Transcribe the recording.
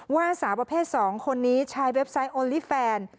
สาวประเภท๒คนนี้ใช้เว็บไซต์โอลี่แฟน